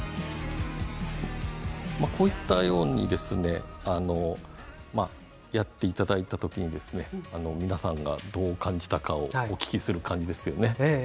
こういうようにやっていただいた時に皆さんがどう感じたかをお聞きする感じですよね。